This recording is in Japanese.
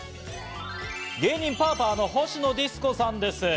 芸人・パーパーのほしのディスコさんです。